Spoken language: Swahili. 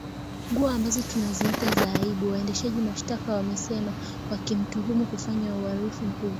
nguo ambazo tunaziita za aibu waendesha mashtaka wamesema wakimtuhumu kufanya uhalifu mkubwa